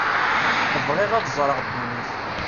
Bɣiɣ ad ẓreɣ ddunit.